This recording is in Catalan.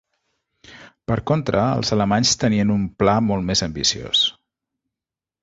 Per contra, els alemanys tenien un pla molt més ambiciós.